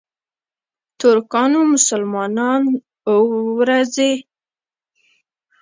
ترکانو مسلمانان اوو ورځني زیارت ته وهڅول.